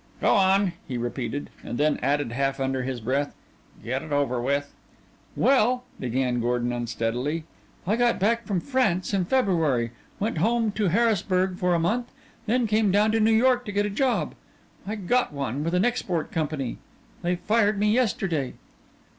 "Go on," he repeated, and then added half under his breath, "Get it over with." "Well," began Gordon unsteadily, "I got back from France in February, went home to Harrisburg for a month, and then came down to New York to get a job. I got one with an export company. They fired me yesterday."